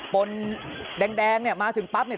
นแดงเนี่ยมาถึงปั๊บเนี่ย